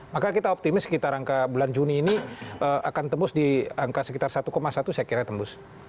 maka kita optimis sekitar angka bulan juni ini akan tembus di angka sekitar satu satu saya kira tembus